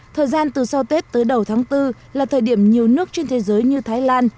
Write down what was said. thời gian từ sau tết tới đầu tháng bốn là thời điểm nhiều nước trên thế giới như thái lan